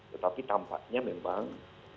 tetapi tampaknya memang